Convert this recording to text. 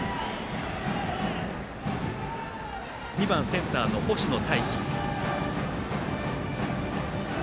２番センターの星野泰輝。